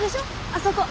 あそこ。